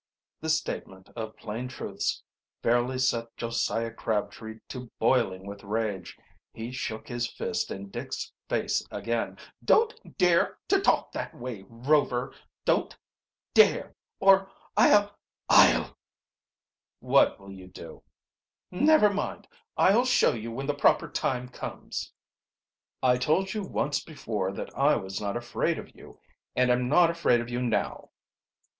This statement of plain truths fairly set Josiah Crabtree to boiling with rage. He shook his fist in Dick's face again. "Don't dare to talk that way, Rover; don't dare or I'll I'll " "What will you do?" "Never mind; I'll show you when the proper time comes." "I told you once before that I was not afraid of you and I am not afraid of you now."